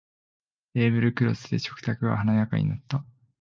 テーブルクロスで食卓が華やかになった